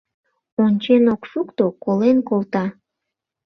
Ончен ок шукто, колен колта.